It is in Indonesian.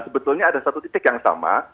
sebetulnya ada satu titik yang sama